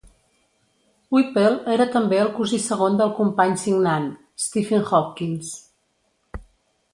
Whipple era també el cosí segon del company signant, Stephen Hopkins.